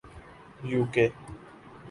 you کے